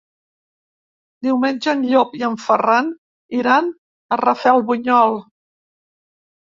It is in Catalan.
Diumenge en Llop i en Ferran iran a Rafelbunyol.